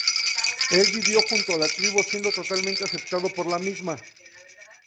El vivió junto a la tribu, siendo totalmente aceptado por la misma.